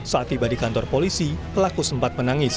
saat tiba di kantor polisi pelaku sempat menangis